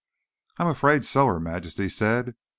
"I'm afraid so," Her Majesty said.